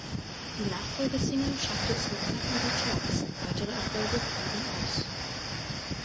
Die Nachfolgesingle schaffte es nur knapp in die Charts, weitere Erfolge blieben aus.